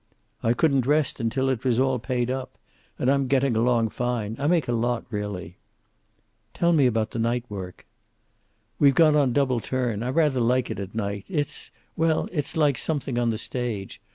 "I couldn't rest until it was all paid up. And I'm getting along fine. I make a lot, really." "Tell me about the night work." "We've gone on double turn. I rather like it at night. It's well, it's like something on the stage.